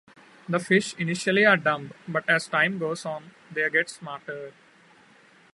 The fish initially are dumb, but as time goes on they get smarter.